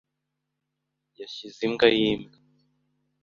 yashyize imbwa ye imbwa.